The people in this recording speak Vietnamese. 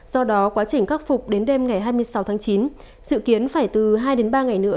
do đó quá trình khắc phục đến đêm ngày hai mươi sáu tháng chín dự kiến phải từ hai đến ba ngày nữa